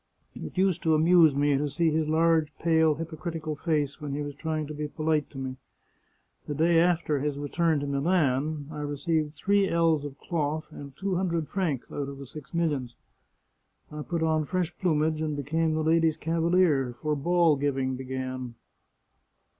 It used to amuse me to see his large, pale, hypocritical face when he was trying to be polite to me. The day after his return to Milan I received three ells of cloth and two hundred francs out of the six millions. I put on fresh plumage and became the ladies cavalier, for ball giving began."